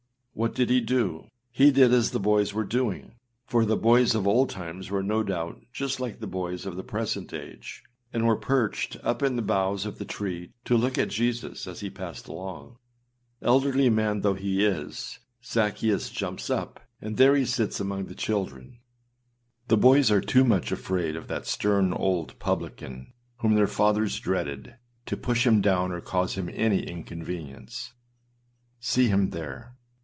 What did he do? He did as the boys were doing â for the boys of old times were no doubt just like the boys of the present age, and were perched up in the boughs of the tree to look at Jesus as he passed along. Elderly man though he is, Zaccheus jumps up, and there he sits among the children. The boys are too much afraid of that stern old publican, whom their fathers dreaded, to push him down or cause him any inconvenience. See him there.